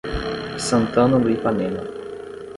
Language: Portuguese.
Santana do Ipanema